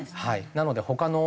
なので他の理由。